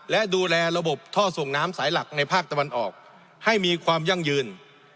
และดูแลระบบท่อส่งน้ำสายหลักในภาคตะวันออกให้มีความยั่งยืน